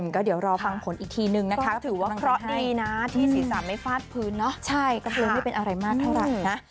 ก็เดี๋ยวรอฟังผลอีกทีนึงนะคะถือว่าเคราะห์ดีนะที่ศีรษะไม่ฟาดพื้นเนาะใช่ก็คือไม่เป็นอะไรมากเท่าไหร่นะ